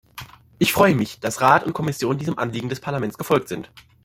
Ich freue mich, dass Rat und Kommission diesem Anliegen des Parlaments gefolgt sind.